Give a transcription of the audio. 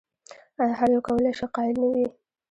ایا هر یو کولای شي قایل نه وي؟